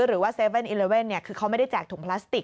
หรือว่า๗๑๑คือเขาไม่ได้แจกถุงพลาสติก